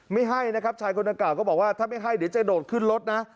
ไม่ให้นะครับชายคนดังกล่าก็บอกว่าถ้าไม่ให้เดี๋ยวจะโดดขึ้นรถนะ